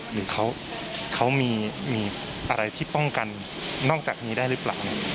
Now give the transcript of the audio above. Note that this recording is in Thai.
หรือเขามีอะไรที่ป้องกันนอกจากนี้ได้หรือเปล่า